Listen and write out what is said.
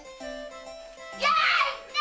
やった！